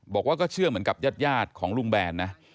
บอกว่าก็เชื่อเหมือนกับญาติของลุงแบนนะ